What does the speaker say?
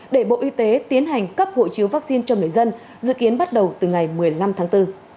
để bộ y tế tiến hành cấp hộ chiếu vaccine cho người dân dự kiến bắt đầu từ ngày một mươi năm tháng bốn